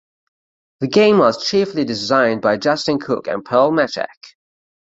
The game was chiefly designed by Justin Cook and Paul Machacek.